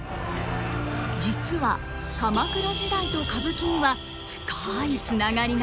実は鎌倉時代と歌舞伎には深いつながりが。